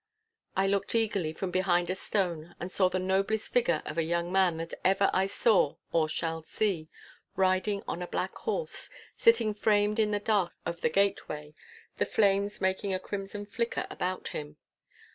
I looked eagerly from behind a stone and saw the noblest figure of a young man that ever I saw or shall see, riding on a black horse, sitting framed in the dark of the gateway, the flames making a crimson flicker about him.